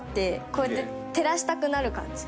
こうやって照らしたくなる感じ。